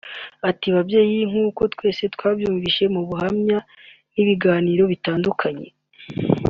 Ati “ Babyeyi nk’uko twese twabyumvise mu buhamya n’ibiganiro bitandukanye